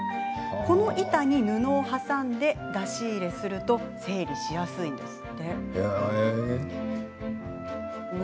この板に布を挟んで出し入れすると整理しやすいといいます。